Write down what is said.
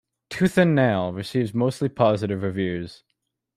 "Tooth and Nail" received mostly positive reviews.